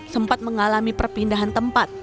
sempat mengalami perpindahan tempat